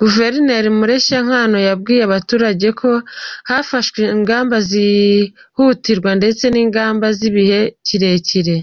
Guverineri Mureshyankwano yabwiye abaturage ko hafashwe ingamba zihutirwa ndetse n’ingamba z’igihe kirekire.